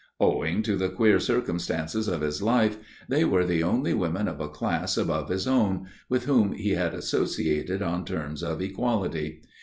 Owing to the queer circumstances of his life they were the only women of a class above his own, with whom he had associated on terms of equality.